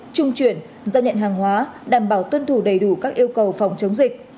trung chuyển giao nhận hàng hóa đảm bảo tuân thủ đầy đủ các yêu cầu phòng chống dịch